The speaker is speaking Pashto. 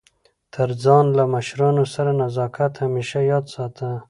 تر ځان له مشرانو سره نزاکت همېشه یاد ساته!